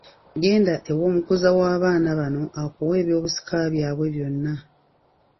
Genda ew'omukuza w'abaana bano akuwe eby'obusika byabwe byonna.